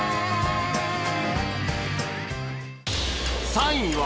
３位は